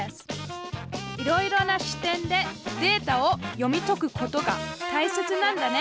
いろいろな視点でデータを読み解くことがたいせつなんだね。